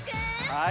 はい。